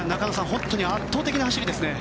本当に圧倒的な走りですね。